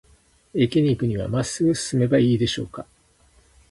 駅に行くには、まっすぐ進めばいいでしょうか。